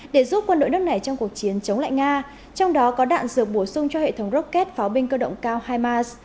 để giúp quân đội nước này trong cuộc chiến chống lại nga trong đó có đạn dược bổ sung cho hệ thống rocket pháo binh cơ động cao hamas